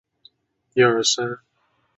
里巴尔鲁伊。